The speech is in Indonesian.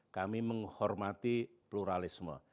kami menghormati pluralisme